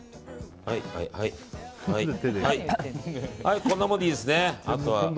はい、こんなもんでいいですね。